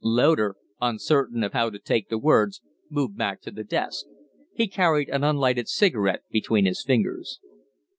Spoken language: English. Loder, uncertain of how to take the words, moved back to the desk. He carried an unlighted cigarette between his fingers.